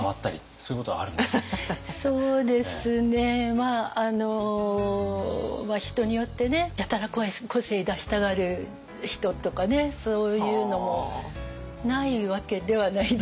まああの人によってねやたら個性出したがる人とかねそういうのもないわけではないですけど。